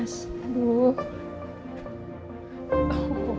sampai jumpa lagi